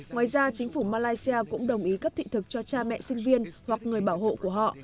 ngoài ra chính phủ malaysia cũng đồng ý cấp thị thực cho cha mẹ sinh viên hoặc người bảo hộ của họ